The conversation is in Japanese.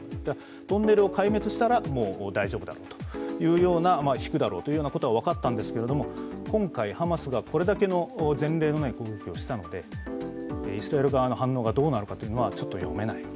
トンネルを壊滅したら大丈夫だろう、引くだろうということは分かったんですけど、今回、ハマスがこれだけの前例のない攻撃をしたのでイスラエル側の反応がどうなるのかはちょっと読めない。